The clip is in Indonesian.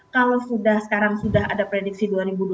kalau sudah sekarang sudah ada prediksi dua ribu dua puluh